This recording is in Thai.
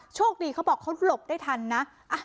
โชคดีเขาบอกเขาหลบได้ทันนะ